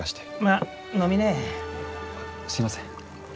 あっすいません。